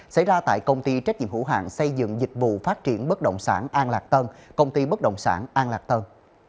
xảy ra tại công ty trách nhiệm hữu hạng xây dựng dịch vụ phát triển bất động sản an lạc tân công ty bất động sản an lạc tân